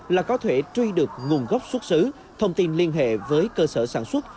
là có thể truy được nguồn gốc xuất xứ thông tin liên hệ với cơ sở sản xuất